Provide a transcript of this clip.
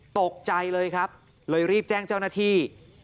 ตกใจเลยครับเลยรีบแจ้งเจ้าหน้าที่